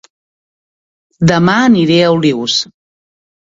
Dema aniré a Olius